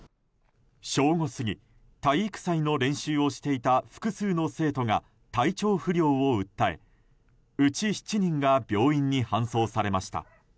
正午過ぎ、体育祭の練習をしていた複数の生徒が体調不良を訴え、うち７人が病院に搬送されました。